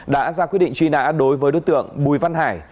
đã ra quyết định truy nã đối với đối tượng bùi văn hải